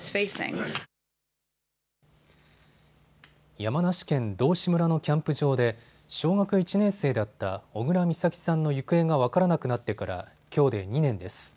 山梨県道志村のキャンプ場で小学１年生だった小倉美咲さんの行方が分からなくなってからきょうで２年です。